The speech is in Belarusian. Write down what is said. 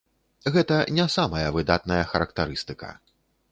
Гэта не самая выдатная характарыстыка.